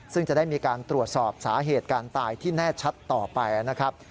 ซึ่งจะได้มีการตรวจสอบสาเหตุการตายที่แน่ชัดต่อไปนะครับ